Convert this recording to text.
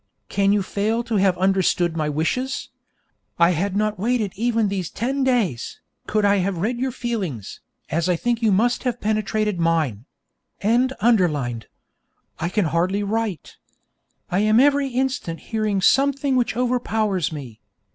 Can you fail to have understood my wishes? I had not waited even these ten days, could I have read your feelings, as I think you must have penetrated mine.] I can hardly write. I am every instant hearing something which overpowers me.